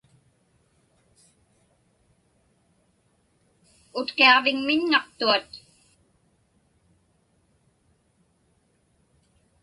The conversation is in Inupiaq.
Utqiaġviŋmiñŋaqtuat.